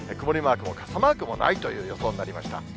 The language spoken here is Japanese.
曇りマークも傘マークもないという予想になりました。